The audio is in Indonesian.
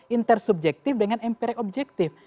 intersubjektif dengan empirik objektif